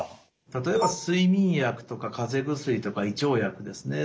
例えば睡眠薬とかかぜ薬とか胃腸薬ですね